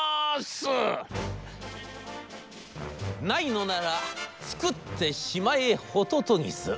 『ないのなら作ってしまえホトトギス』。